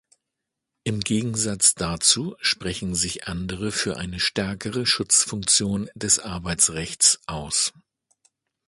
Im Gegensatz dazu sprechen sich andere für eine stärkere Schutzfunktion des Arbeitsrechts aus.